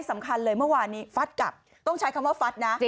สำคัญเลยเมื่อวานนี้ฟัดกลับต้องใช้คำว่าฟัดนะ